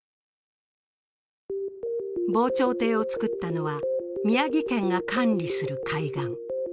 防潮堤を造ったのは、宮城県が管理する海岸。